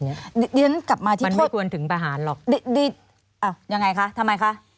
นี่ก็เลยกลับมาที่โทษอย่างไรค่ะทำไมคะ